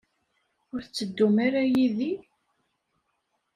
Ur tetteddum ara yid-i?